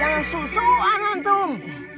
jangan susuan antum